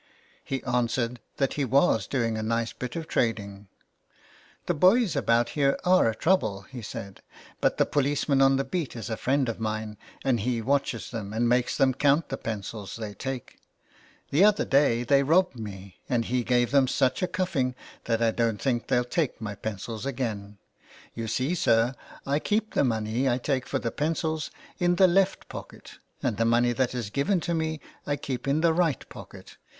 He answered that he was doing a nice bit of trading. " The boys about here are a trouble," he said, " but the policeman on the beat is a friend of mine, and he watches them and makes them count the pencils they take. The other day they robbed me, and he gave them such a cuffing that I don't think they'll take my pencils again. You see, sir, I keep the money I take for the pencils in the left pocket, and the money that is given to me I keep in the right pocket.